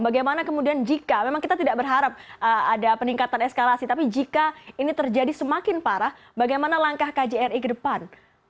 bagaimana kemudian jika memang kita tidak berharap ada peningkatan eskalasi tapi jika ini terjadi semakin parah bagaimana langkah kjri ke depan